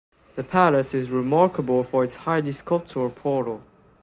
The palace is remarkable for its highly sculptural portal.